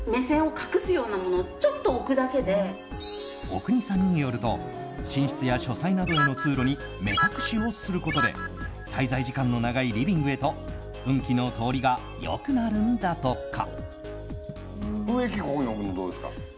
阿国さんによると寝室や書斎などへの通路に目隠しをすることで滞在時間の長いリビングへと運気の通りが良くなるんだとか。